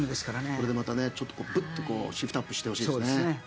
これでシフトアップしてほしいですね。